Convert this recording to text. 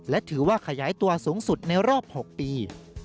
และถือว่าขยายตัวสูงสุดในรอบ๖ปี